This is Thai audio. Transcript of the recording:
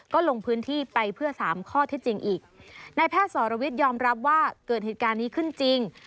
เกิดเหตุการณ์นี้ขึ้นจริง